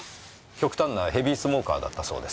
極端なヘビースモーカーだったそうです。